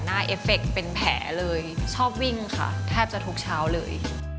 เอฟเฟคเป็นแผลเลยชอบวิ่งค่ะแทบจะทุกเช้าเลย